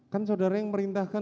kan saudara yang merintahkan